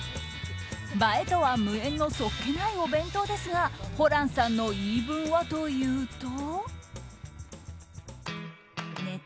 映えとは無縁のそっけないお弁当ですがホランさんの言い分はというと。